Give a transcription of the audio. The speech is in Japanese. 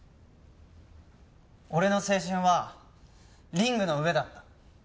俺の青春はリングの上だった。